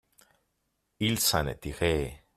il s'en est tiré.